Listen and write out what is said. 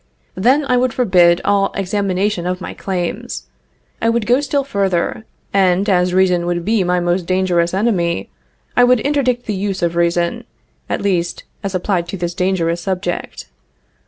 Then I would forbid all examination of my claims. I would go still further, and, as reason would be my most dangerous enemy, I would interdict the use of reason at least as applied to this dangerous subject.